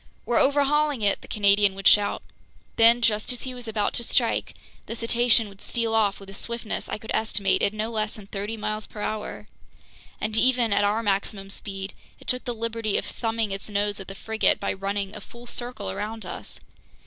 "We're overhauling it!" the Canadian would shout. Then, just as he was about to strike, the cetacean would steal off with a swiftness I could estimate at no less than thirty miles per hour. And even at our maximum speed, it took the liberty of thumbing its nose at the frigate by running a full circle around us!